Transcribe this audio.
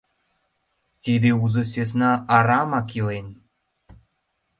— Тиде узо сӧсна арамак илен.